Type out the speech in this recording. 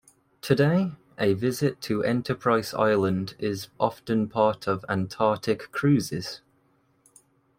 Today, a visit to Enterprise Island is often part of Antarctic cruises.